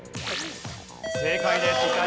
正解です。